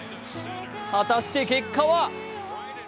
果たして結果は？